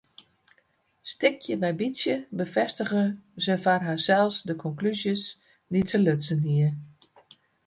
Stikje by bytsje befêstige se foar harsels de konklúzjes dy't se lutsen hie.